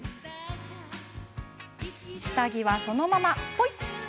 下着はそのまま、ぽい！